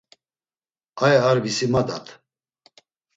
Aya ar visimadat.